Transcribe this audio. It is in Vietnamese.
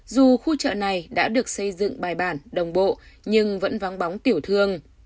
dù khu chợ này đã được xây dựng bài bản đồng bộ nhưng vẫn vắng bóng tiểu thương